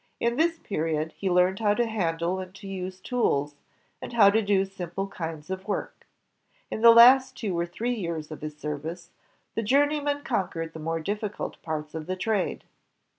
In this period, he learned how to handle and to use tools, and how to do simple kinds of work. In the last two or three years of his service, the joume5nnan conquered the more difficult parts of the trade.